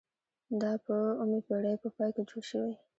دا په اوومې پیړۍ په پای کې جوړ شوي.